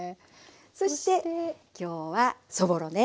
そして今日はそぼろね。